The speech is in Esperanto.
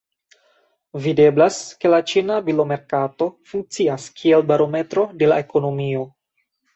Videblas ke la ĉina bilomerkato funkcias kiel barometro de la ekonomio.